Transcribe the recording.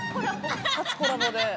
初コラボで。